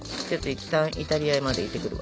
いったんイタリアまで行ってくるわ。